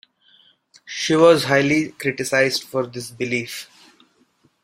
She was highly criticized for this belief.